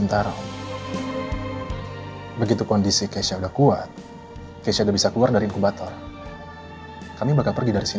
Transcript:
om yakin sampai detik ini akte kelahirannya gak ada kan